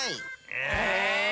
え！